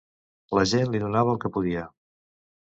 La gent li donava el que podia.